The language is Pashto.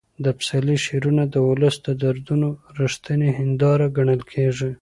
د پسرلي شعرونه د ولس د دردونو رښتینې هنداره ګڼل کېږي.